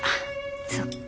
そっか。